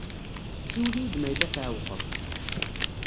Siwel-iyi-d ma yella tɛewqeḍ.